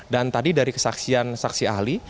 dan tadi dari kesaksian saksi ahli